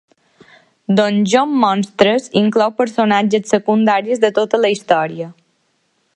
Donjon Monstres inclou personatges secundaris de tota la història.